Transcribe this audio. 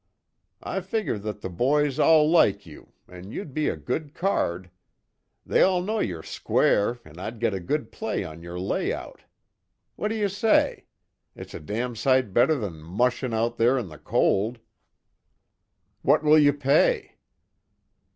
I figure that the boys all like you, an' you'd be a good card. They all know you're square an' I'd get a good play on your layout. What do you say? It's a damn sight better than mushin' out there in the cold." "What will you pay?"